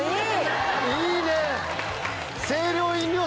いいねぇ！